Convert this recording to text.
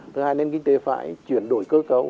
thứ hai nền kinh tế phải chuyển đổi cơ cấu